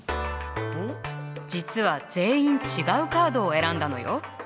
実は全員違うカードを選んだのよ。